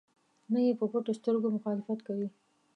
نه یې په پټو سترګو مخالفت کوي.